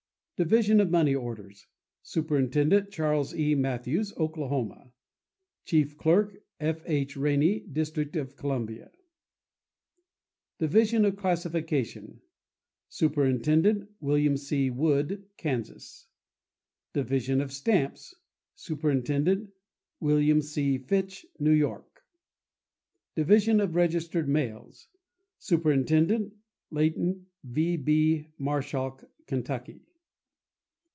Division of Money Orders.— Superintendent.—Charles E. Matthews, Oklahoma. Chief Clerk.—F. H. Rainey, District of Columbia. Division of Classification.— Superintendent.—William C. Wood, Kansas. Division of Stamps.— Superintendent.—William C. Fitch, New York. Division of Registered Mails.— Superintendent.—Leighton V. B. Marschalk, Kentucky.